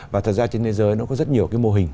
và thật ra trên thế giới nó có rất nhiều cái mô hình